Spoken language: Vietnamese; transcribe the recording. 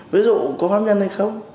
ví dụ có pháp nhân hay không